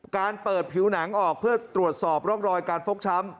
การเปิดผิวหนังออกเพื่อตรวจสอบร่องรอยการฟกช้ำ